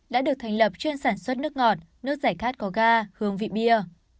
đã được thành lập chuyên sản xuất nước ngọt nước giải khát có ga hương vị bia